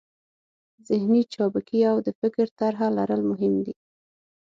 ذهني چابکي او د فکر طرحه لرل مهم دي.